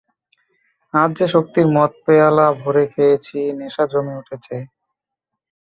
আজ যে শক্তির মদ পেয়ালা ভরে খেয়েছি, নেশা জমে উঠেছে।